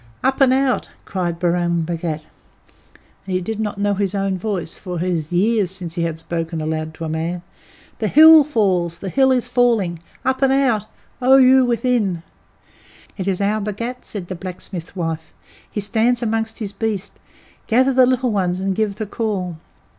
"Up and out!" cried Purun Bhagat; and he did not know his own voice, for it was years since he had spoken aloud to a man. "The hill falls! The hill is falling! Up and out, oh, you within!" "It is our Bhagat," said the blacksmith's wife. "He stands among his beasts. Gather the little ones and give the call."